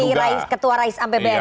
seperti ketua rais ampe bnu